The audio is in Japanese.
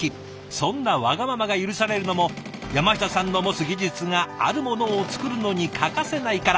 そんなわがままが許されるのも山下さんの持つ技術があるものを作るのに欠かせないから。